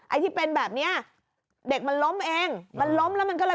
ไอ้ที่เป็นแบบเนี้ยเด็กมันล้มเองมันล้มแล้วมันก็เลย